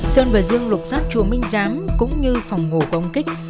sơn và dương lục giáp chùa minh giám cũng như phòng ngủ của ông kích